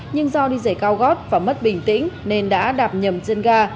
nhưng do đi dày cao gót và mất bình tĩnh nên đã đạp nhầm dân ga